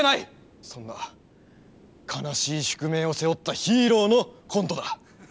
そんな悲しい宿命を背負ったヒーローのコントだ！